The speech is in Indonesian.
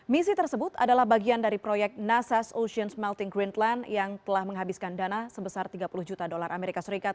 misi tersebut adalah bagian dari proyek nasas ocean smelting green plan yang telah menghabiskan dana sebesar tiga puluh juta dolar as